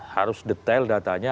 harus detail datanya